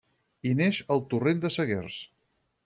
Hi neix el Torrent de Seguers.